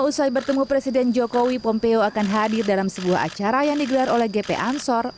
usai bertemu presiden jokowi pompeo akan hadir dalam sebuah acara yang digelar oleh gp ansor